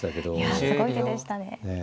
すごい手でしたね。